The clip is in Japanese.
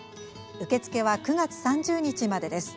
受け付けは９月３０日までです。